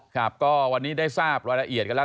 ครับก็วันนี้ได้ทราบรายละเอียดกันแล้ว